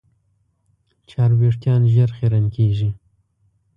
چرب وېښتيان ژر خیرن کېږي.